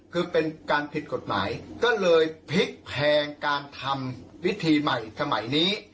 คือเป็นการผิดกฎหมายก็เลยพลิกแพงการทำวิธีใหม่สมัยนี้